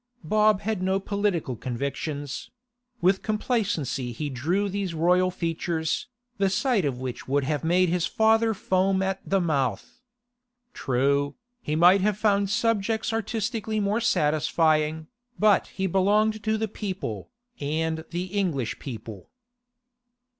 Bob had no political convictions; with complacency he drew these royal features, the sight of which would have made his father foam at the mouth. True, he might have found subjects artistically more satisfying, but he belonged to the people, and the English people.